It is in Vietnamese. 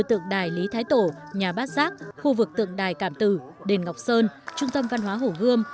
tượng đài lý thái tổ nhà bát giác khu vực tượng đài cảm tử đền ngọc sơn trung tâm văn hóa hổ gươm